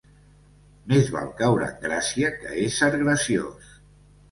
Més val caure en gràcia que ésser graciós.